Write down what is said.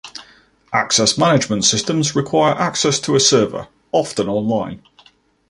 Access management systems require access to a server, often online.